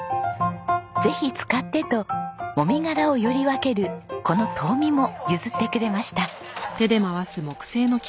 「ぜひ使って」ともみ殻をより分けるこの唐箕も譲ってくれました。